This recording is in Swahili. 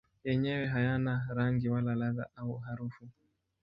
Yenyewe hayana rangi wala ladha au harufu.